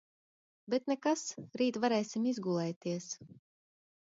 Bet nekas, rīt varēsim izgulēties.